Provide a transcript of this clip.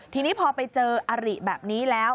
ทีนี้พอไปเจออริแบบนี้แล้ว